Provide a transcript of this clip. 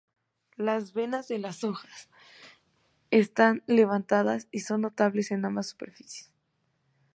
Las venas de las hojas están levantadas y son notables en ambas superficies.